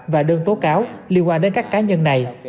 và đơn tố cáo liên quan đến các cá nhân này